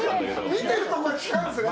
見てるところが違うんですね。